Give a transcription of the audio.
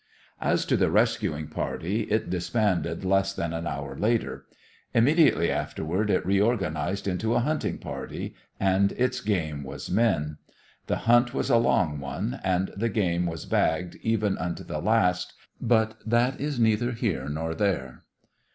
As to the rescuing party, it disbanded less than an hour later. Immediately afterward it reorganized into a hunting party and its game was men. The hunt was a long one, and the game was bagged even unto the last, but that is neither here nor there.